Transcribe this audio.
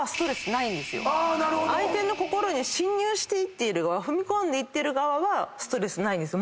相手の心に侵入している側踏み込んでいってる側はストレスないんです。